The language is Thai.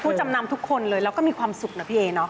จำนำทุกคนเลยแล้วก็มีความสุขนะพี่เอเนาะ